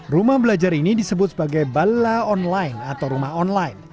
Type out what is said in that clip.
rumah belajar ini disebut sebagai bala online atau rumah online